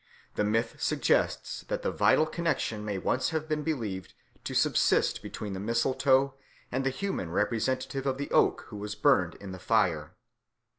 The myth suggests that a vital connexion may once have been believed to subsist between the mistletoe and the human representative of the oak who was burned in the fire.